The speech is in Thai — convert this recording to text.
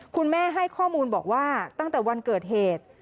คุณแม่ให้ข้อมูลบอกว่าตั้งแต่วันเกิดเหตุ